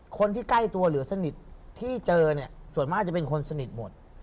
คนที่ใกล้ตัวหรือสนิทที่เจอเนี่ยส่วนมากจะเป็นคนสนิทหมด